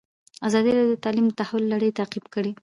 ازادي راډیو د تعلیم د تحول لړۍ تعقیب کړې.